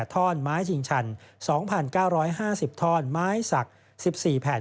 ท่อนไม้ชิงชัน๒๙๕๐ท่อนไม้สัก๑๔แผ่น